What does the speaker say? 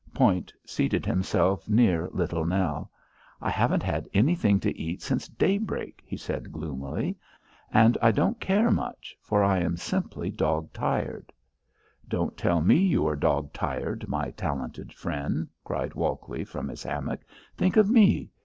Point seated himself near Little Nell. "I haven't had anything to eat since daybreak," he said gloomily, "and I don't care much, for I am simply dog tired." "Don' tell me you are dog tired, my talented friend," cried Walkley from his hammock. "Think of me.